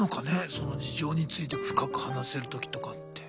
その事情について深く話せる時とかって。